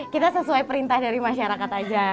kita sesuai perintah dari masyarakat aja